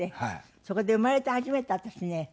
そこで生まれて初めて私ね